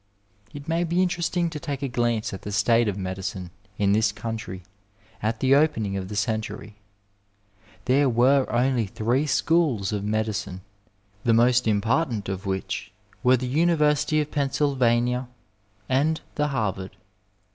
It may be interesting to take a glance at the state of medicine in this country at the opening of the century. There were only three schools of medicine, the most im partant of which were the University of Pennsylvania and the Harvard.